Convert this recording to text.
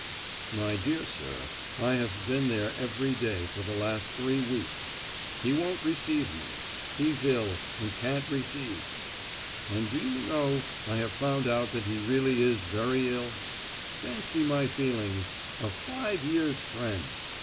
"My dear sir, I've been there every day for the last three weeks. He won't receive me; he's ill, and can't receive! And, do you know, I have found out that he really is very ill! Fancy my feelings—a five year's friend!